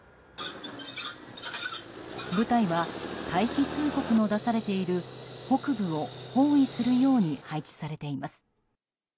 部隊は退避通告の出されている北部を包囲するように配置されています。